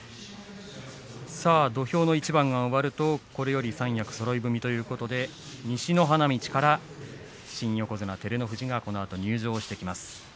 土俵の一番が終わるとこれより三役そろい踏みということで西の花道から新横綱照ノ富士がこのあと入場してきます。